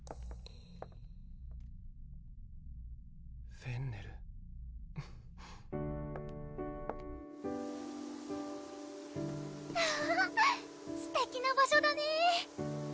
フェンネルすてきな場所だね